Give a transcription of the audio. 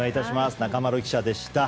中丸記者でした。